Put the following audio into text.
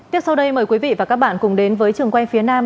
tiếp sau đây mời quý vị và các bạn cùng đến với trường quay phía nam